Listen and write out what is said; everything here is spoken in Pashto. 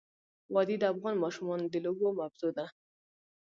وادي د افغان ماشومانو د لوبو موضوع ده.